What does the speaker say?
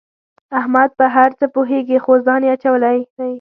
احمد په هر څه پوهېږي خو ځان یې اچولی دی.